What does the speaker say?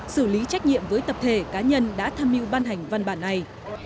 xử lý trách nhiệm với tập thể cá nhân đã tham mưu ban hành văn bản này